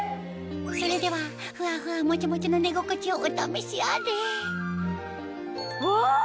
それではふわふわもちもちの寝心地をお試しあれわ！